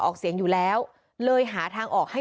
ทางคุณชัยธวัดก็บอกว่าการยื่นเรื่องแก้ไขมาตรวจสองเจน